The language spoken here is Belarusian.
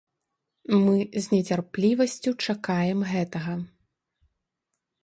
Мы з нецярплівасцю чакаем гэтага.